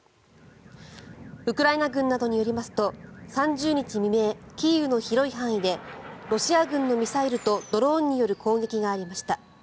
ウクライナ軍などによりますと３０日未明、キーウの広い範囲でロシア軍のミサイルとドローンによる攻撃がありました。